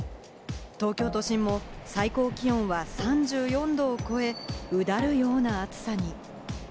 東京都心も最高気温は３４度を超え、うだるような暑さに。